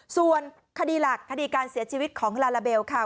ส่วนคดีหลักคดีการเสียชีวิตของลาลาเบลค่ะ